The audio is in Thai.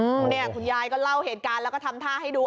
อืมเนี่ยคุณยายก็เล่าเหตุการณ์แล้วก็ทำท่าให้ดู